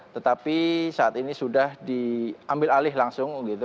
tetapi saat ini sudah diambil alih langsung